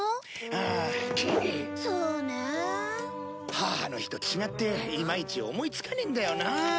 母の日と違っていまいち思いつかねえんだよな。